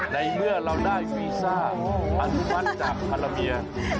ในเมื่อเราได้วีซ่าอนุมัติจากภรรเมีย